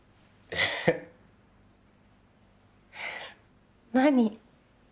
えっ何？